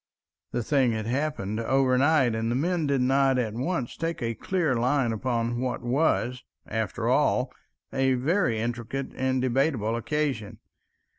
The thing had happened overnight, and the men did not at once take a clear line upon what was, after all, a very intricate and debatable occasion.